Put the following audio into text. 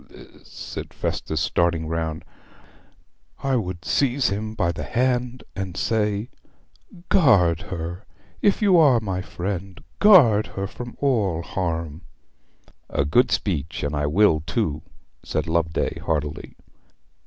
'I,' said Festus, starting round, 'I would seize him by the hand and say, "Guard her; if you are my friend, guard her from all harm!"' 'A good speech. And I will, too,' said Loveday heartily.